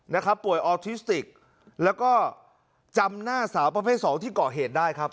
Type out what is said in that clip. นะครับป่วยออทิสติกแล้วก็จำหน้าสาวประเภทสองที่ก่อเหตุได้ครับ